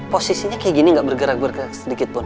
posisinya kayak gini nggak bergerak gerak sedikitpun